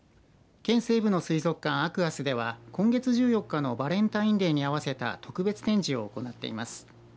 県西部の水族館アクアスでは今月１４日のバレンタインデーに合わせた特別展示を行っています。